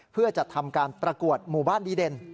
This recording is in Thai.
เพื่อจะทำการประกวดหมู่บ้านดีเด่น